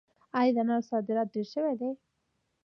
آیا د انارو صادرات ډیر شوي دي؟